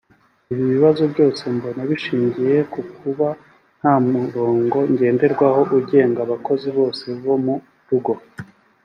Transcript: Ibi bibazo byose mbona bishingiye ku kuba nta murongo ngenderwaho ugenga abakozi bose bo mu rugo